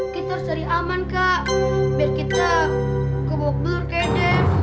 kita harus jadi aman kak biar kita kubuk bulur kayak dev